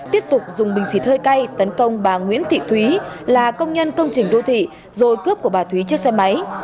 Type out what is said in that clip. tiếp tục dùng bình xịt hơi cay tấn công bà nguyễn thị thúy là công nhân công trình đô thị rồi cướp của bà thúy chiếc xe máy